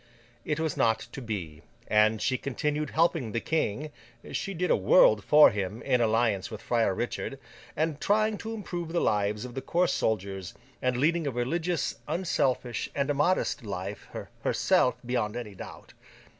It was not to be, and she continued helping the King (she did a world for him, in alliance with Friar Richard), and trying to improve the lives of the coarse soldiers, and leading a religious, an unselfish, and a modest life, herself, beyond any doubt.